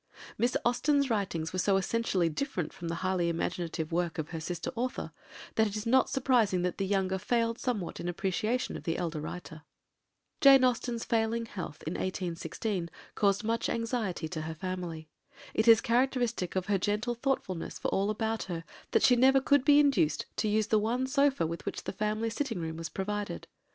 Miss Austen's writings were so essentially different from the highly imaginative work of her sister author, that it is not surprising that the younger failed somewhat in appreciation of the elder writer. Jane Austen's failing health in 1816 caused much anxiety to her family. It is characteristic of her gentle thoughtfulness for all about her that she never could be induced to use the one sofa with which the family sitting room was provided.